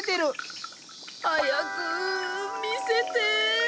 早く見せて。